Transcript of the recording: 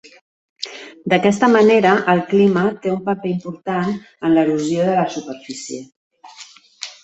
D'aquesta manera, el clima té un paper important en l'erosió de la superfície.